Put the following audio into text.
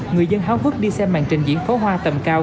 người dân háo vứt đi xem màn trình diễn pháo hoa tầm cao